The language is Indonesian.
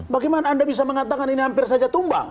bagaimana anda bisa mengatakan ini hampir saja tumbang